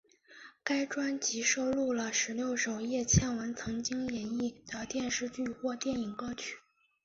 该专辑收录了十六首叶蒨文曾经演绎的电视剧或电影歌曲。